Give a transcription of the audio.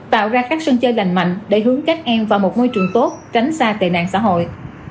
tạo ra các sân chơi lành mạnh để hướng các em vào một môi trường tốt tránh xa tệ nạn xã hội